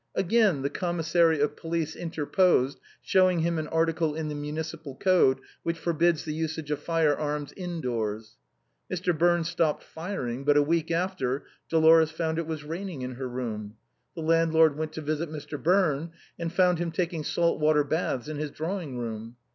Again the commissary of police interposed, showing him an article in the munici pal code, which forbids the usage of fire arms indoors. Mr. Birne stopped firing, but a week after, Dolores found it was raining in her room. The landlord went to visit Mr. Birne, and found him taking salt water baths in his draw ing room.